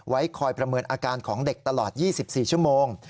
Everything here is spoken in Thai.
คอยประเมินอาการของเด็กตลอด๒๔ชั่วโมง